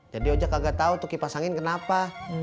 jadi ojak gak tau tuh kipas angin kenapa